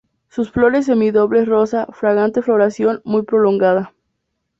Sus flores semi-dobles rosa, fragante floración muy prolongada.